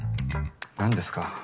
何ですか？